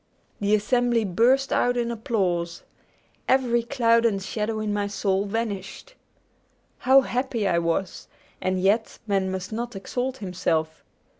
The assembly burst out in applause. Every cloud and shadow in my soul vanished! How happy I was! And yet man must not exalt himself.